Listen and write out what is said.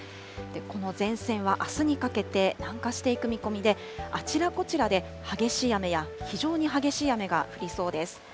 この前線はあすにかけて、南下していく見込みで、あちらこちらで激しい雨や非常に激しい雨が降りそうです。